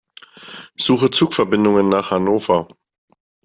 Suche Zugverbindungen nach Hannover.